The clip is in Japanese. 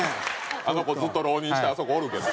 あの子ずっと浪人してあそこおるけど。